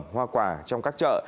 hoa quả trong các chợ